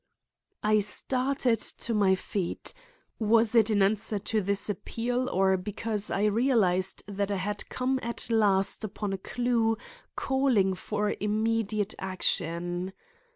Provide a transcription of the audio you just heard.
I started to my feet. Was it in answer to this appeal or because I realized that I had come at last upon a clue calling for immediate action?